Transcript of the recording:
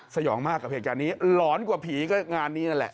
สยองมากกับเหตุการณ์นี้หลอนกว่าผีก็งานนี้นั่นแหละ